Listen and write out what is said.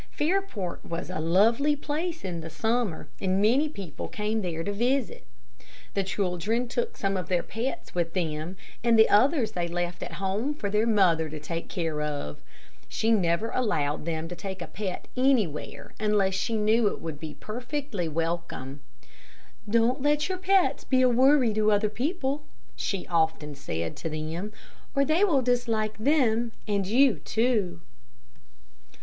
Fairport was a lovely place in summer, and many people came there to visit. The children took some of their pets with them, and the others they left at home for their mother to take care of. She never allowed them to take a pet animal anywhere, unless she knew it would be perfectly welcome. "Don't let your pets be a worry to other people," she often said to them, "or they will dislike them and you too."